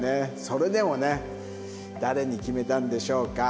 それでもね誰に決めたんでしょうか？